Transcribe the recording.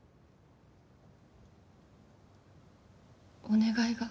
お願いが。